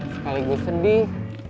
sekali gue sedih